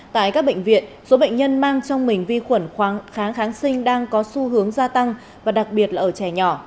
tại các bệnh viện số bệnh nhân mang trong mình vi khuẩn kháng kháng sinh đang có xu hướng gia tăng và đặc biệt là ở trẻ nhỏ